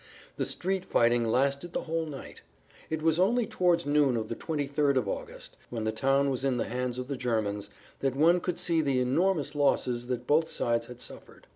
The street fighting lasted the whole night. It was only towards noon of the 23rd of August, when the town was in the hands of the Germans, that one could see the enormous losses that both sides had suffered.